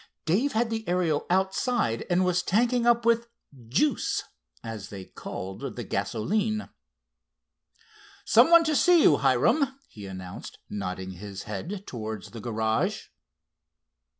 Dave had the Ariel outside and was tanking up with "juice," as they called the gasoline. "Some one to see you, Hiram," he announced, nodding his head towards the garage.